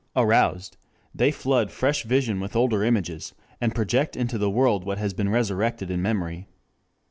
Aroused, they flood fresh vision with older images, and project into the world what has been resurrected in memory.